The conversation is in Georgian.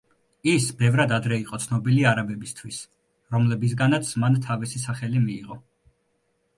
ის ბევრად ადრე იყო ცნობილი არაბებისთვის, რომლებისგანაც მან თავის სახელი მიიღო.